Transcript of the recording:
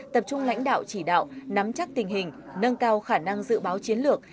tập trung lãnh đạo chỉ đạo nắm chắc tình hình nâng cao khả năng dự báo chiến lược